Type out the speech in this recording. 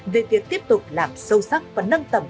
về việc tiếp tục làm sâu sắc và nâng tầm